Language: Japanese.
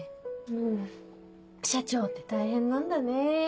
うん社長って大変なんだねぇ。